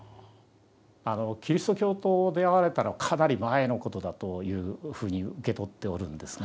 キリスト教と出会われたのはかなり前のことだというふうに受け取っておるんですが。